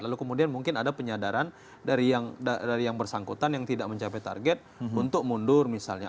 lalu kemudian mungkin ada penyadaran dari yang bersangkutan yang tidak mencapai target untuk mundur misalnya